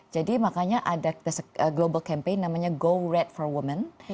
jadi makanya ada global campaign namanya go red for women